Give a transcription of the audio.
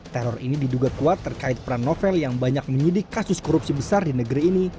teror ini diduga kuat terkait peran novel yang banyak menyidik kasus korupsi besar di negeri ini